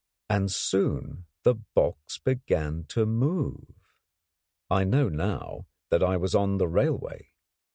And soon the box began to move. I know now that I was on the railway.